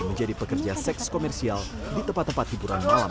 menjadi pekerja seks komersial di tempat tempat hiburan malam